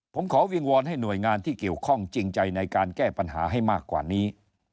ผมขอวิงวอนให้หน่วยงานที่เกี่ยวข้องจริงใจในการแก้ปัญหาให้มากกว่านี้